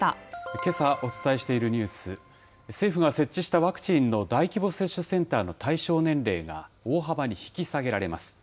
けさ、お伝えしているニュース、政府が設置したワクチンの大規模接種センターの対象年齢が大幅に引き下げられます。